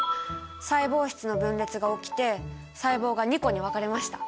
細胞質の分裂が起きて細胞が２個に分かれました。